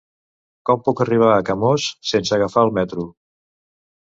Com puc arribar a Camós sense agafar el metro?